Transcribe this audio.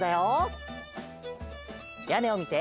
やねをみて。